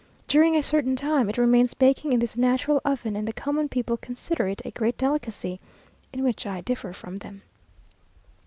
During a certain time, it remains baking in this natural oven, and the common people consider it a great delicacy, (in which I differ from them).